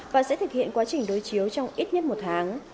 và sẽ thực hiện quá trình đối chiếu trong ít nhất một tháng